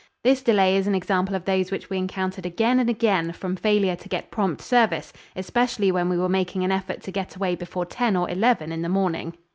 This delay is an example of those which we encountered again and again from failure to get prompt service, especially when we were making an effort to get away before ten or eleven in the morning.